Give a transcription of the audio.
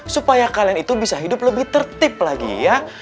supaya kalian itu bisa hidup lebih tertib lagi ya